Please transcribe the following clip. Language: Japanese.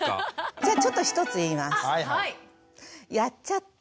じゃあちょっと一つ言います。